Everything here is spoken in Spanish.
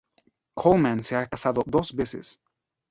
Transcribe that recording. Coleman se ha casado dos veces.